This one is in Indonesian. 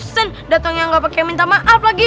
sen datangnya nggak pakai minta maaf lagi